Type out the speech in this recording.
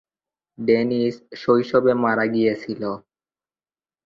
Dennis শৈশবে মারা গিয়েছিল।